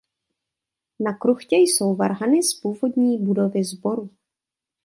Na kruchtě jsou varhany z původní budovy sboru.